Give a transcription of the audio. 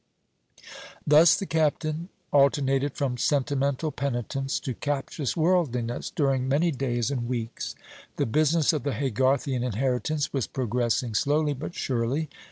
Thus the Captain alternated from sentimental penitence to captious worldliness, during many days and weeks. The business of the Haygarthian inheritance was progressing slowly, but surely.